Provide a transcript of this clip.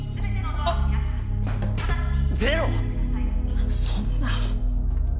ゼロ⁉そんな。